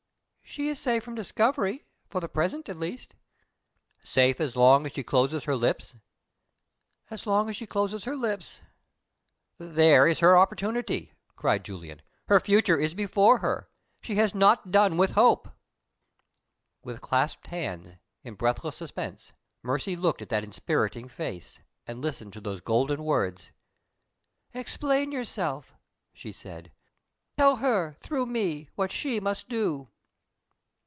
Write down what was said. "She is safe from discovery for the present, at least." "Safe as long as she closes her lips?" "As long as she closes her lips." "There is her opportunity!" cried Julian. "Her future is before her. She has not done with hope!" With clasped hands, in breathless suspense, Mercy looked at that inspiriting face, and listened to those golden words. "Explain yourself," she said. "Tell her, through me, what she must do."